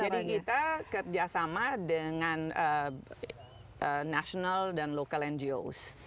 jadi kita kerjasama dengan national dan local ngos